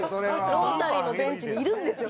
ロータリーのベンチにいるんですよ。